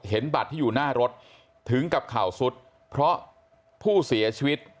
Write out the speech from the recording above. บัตรที่อยู่หน้ารถถึงกับเข่าสุดเพราะผู้เสียชีวิต